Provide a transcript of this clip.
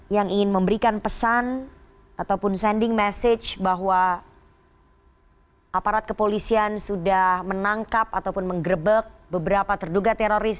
yang ingin memberikan pesan ataupun sending message bahwa aparat kepolisian sudah menangkap ataupun menggrebek beberapa terduga teroris